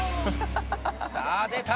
さあ出た！